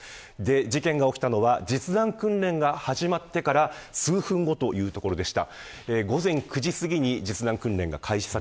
事件が起きたのは実弾訓練が始まってから数分後というところでした。